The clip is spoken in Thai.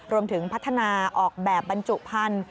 รวมถึงพัฒนาออกแบบบรรจุพันธุ